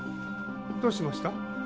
どうしました？